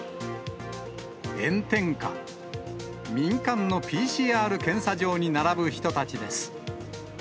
炎天下、民間のＰＣＲ検査場に並ぶ人たちです。